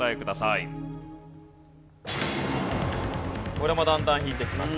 これもだんだん引いていきます。